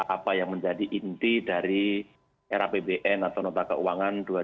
apa yang menjadi inti dari era pbn atau nota keuangan dua ribu dua puluh